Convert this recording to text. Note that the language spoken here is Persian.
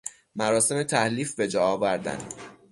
مراسم تحلیف بجاآوردن